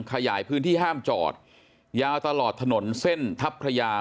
ขยายพื้นที่ห้ามจอดยาวตลอดถนนเส้นทัพพระยา